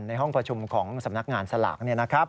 ในห้องประชุมของสำนักงานสลักนี่นะครับ